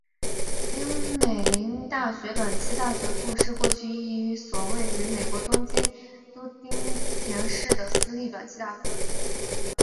樱美林大学短期大学部是过去一所位于日本东京都町田市的私立短期大学。